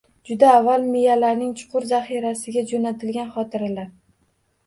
Juda avval miyalarining chuqur zaxirasiga jo‘natilgan xotiralar